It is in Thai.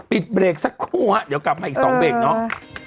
ปิดเบรกสักครั้งอ่ะเดี๋ยวกลับไปอีก๒เบรกเนาะ